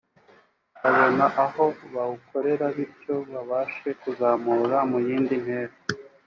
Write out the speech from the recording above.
babona aho bawukorera bityo babashe kuzamuka mu yindi ntera